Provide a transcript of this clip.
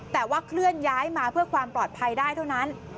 แต่ว่าเคลื่อนย้ายมาเพื่อความปลอดภัยได้เท่านั้น